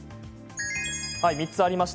３つありました。